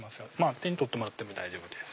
手に取ってもらっても大丈夫です。